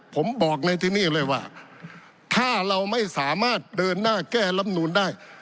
ผมบอกในที่นี่เลยว่าถ้าเราไม่สามารถเดินหน้าแก้ลำนูนได้